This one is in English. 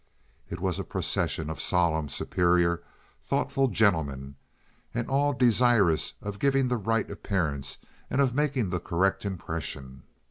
It was a procession of solemn, superior, thoughtful gentlemen, and all desirous of giving the right appearance and of making the correct impression.